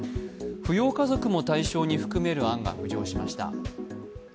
扶養家族も対象に含める案が浮上しました。